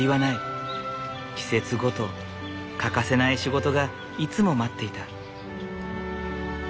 季節ごと欠かせない仕事がいつも待っていた。